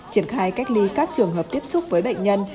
triển khai cách ly các trường hợp tiếp xúc với bệnh nhân